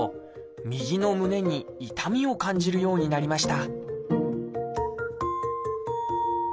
右の胸に痛みを感じるようになりました